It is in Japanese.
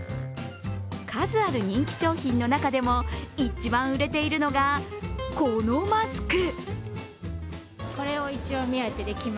数ある人気商品の中でも一番売れているのがこのマスク。